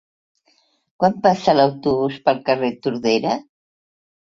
Quan passa l'autobús pel carrer Tordera?